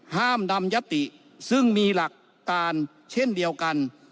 ห้ามดำยติซึ่งมีหลักการเช่นเดียวกัน